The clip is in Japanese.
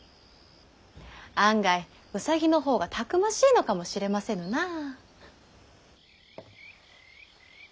案外兎の方がたくましいのかもしれませぬなあ。